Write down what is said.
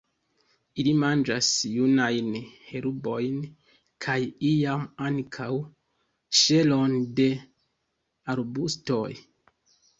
Ili manĝas junajn herbojn, kaj iam ankaŭ ŝelon de arbustoj.